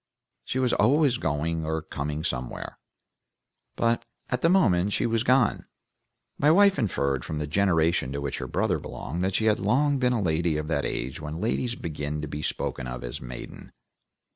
She was always going or coming somewhere, but at the moment she was gone. My wife inferred from the generation to which her brother belonged that she had long been a lady of that age when ladies begin to be spoken of as maiden.